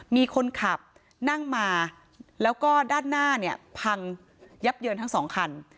มีคนขับนั่งมาแล้วก็ด้านหน้าเนี่ยพังยับเยินทั้งสองคัน